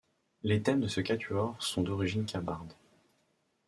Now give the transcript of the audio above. Les thèmes de ce quatuor sont d'origine kabarde.